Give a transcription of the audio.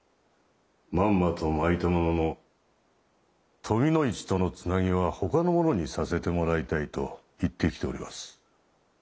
まんまとまいたものの富の市とのつなぎはほかの者にさせてもらいたいと言ってきております。